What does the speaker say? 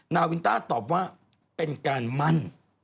นาวินต้าตอบว่าเป็นการมั่น